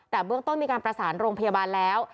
แต่เบื้องต้นมีการประสานโรงพยาบาลแล้ว